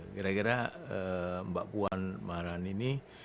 gira gira mbak puan maharani ini